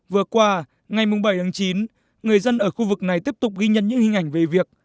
vừa qua ngày bảy chín người dân ở khu vực này tiếp tục ghi nhận những hình ảnh về việc